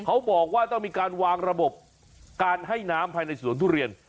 เขาบอกว่าต้องมีการวางระบบการให้น้ำภายในสวนทุเรียน